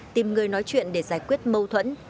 tìm người nói chuyện để giải quyết mâu thuẫn